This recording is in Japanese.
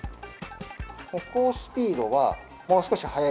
歩行スピードはもう少し速い方が。